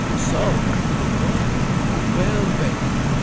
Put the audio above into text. "So! you know! Well, then!